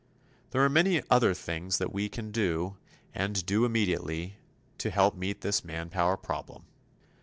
There are many other things that we can do, and do immediately, to help meet this manpower problem.